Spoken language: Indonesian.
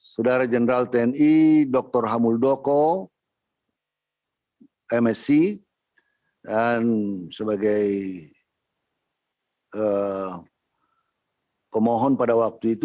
saudara jenderal tni dr hamul doko msc dan sebagai pemohon pada waktu itu